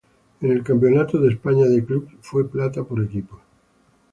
En el Campeonato de España de Clubes fue plata por equipos.